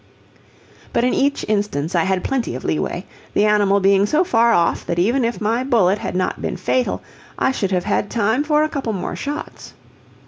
But in each instance I had plenty of leeway, the animal being so far off that even if my bullet had not been fatal I should have had time for a couple more shots.